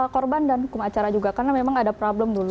korban dan kumacara juga karena memang ada problem dulu